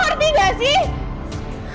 lo ngerti gak sih